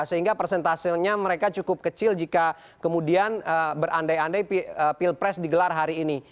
sehingga persentasenya mereka cukup kecil jika kemudian berandai andai pilpres digelar hari ini